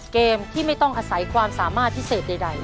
เกมที่ไม่ต้องอาศัยความสามารถพิเศษใด